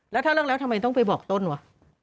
แล้วถ้าเลิกแล้วทำไมต้องไปบอกต้นว่ะ